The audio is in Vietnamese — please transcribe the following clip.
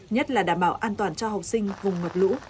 nhất là đảm bảo an toàn cho học sinh vùng ngập lũ